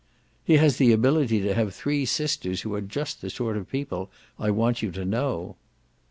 "He has the ability to have three sisters who are just the sort of people I want you to know."